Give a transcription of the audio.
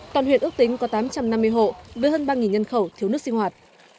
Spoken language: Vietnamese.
toàn huyện ước tính có tám trăm năm mươi hộ với hơn ba nhân khẩu thiếu nước sinh hoạt